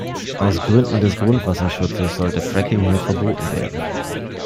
Aus Gründen des Grundwasserschutzes sollte Fracking hier verboten werden.